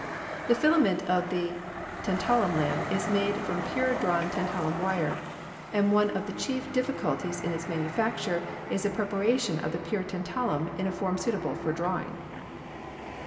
The filament of the tantalum lamp is made from pure drawn tantalum wire, and one of the chief difficulties in its manu facture is the preparation of the pure tantalum in a form suitable for drawing.